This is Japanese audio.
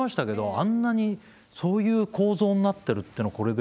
あんなにそういう構造になってるっていうのをこれで。